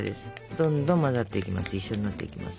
どんどん混ざっていきます。